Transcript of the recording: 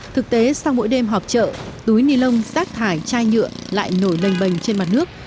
thực tế sau mỗi đêm họp trợ túi nilon rác thải chai nhựa lại nổi lênh bềnh trên mặt nước